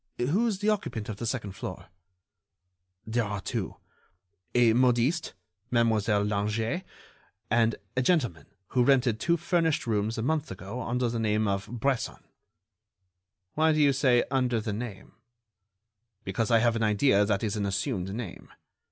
"Who is the occupant of the second floor?" "There are two: a modiste, Mademoiselle Langeais, and a gentleman who rented two furnished rooms a month ago under the name of Bresson." "Why do you say 'under the name'?" "Because I have an idea that it is an assumed name.